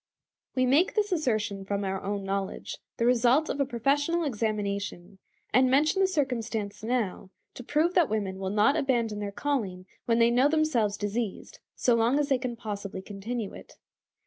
We make this assertion from our own knowledge, the result of a professional examination, and mention the circumstance now to prove that women will not abandon their calling when they know themselves diseased, so long as they can possibly continue it.